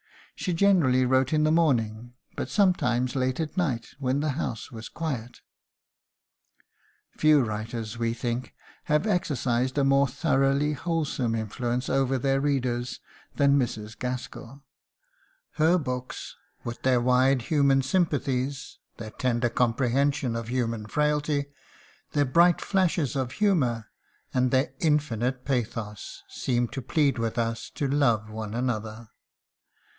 She generally wrote in the morning, but sometimes late at night, when the house was quiet." Few writers, we think, have exercised a more thoroughly wholesome influence over their readers than Mrs. Gaskell. Her books, with their wide human sympathies, their tender comprehension of human frailty, their bright flashes of humour and their infinite pathos, seem to plead with us to love one another.